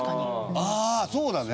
ああそうだね。